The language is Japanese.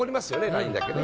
ラインだけね。